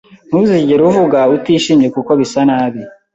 Ntuzigere uvuga… utishimye kuko bisa nabi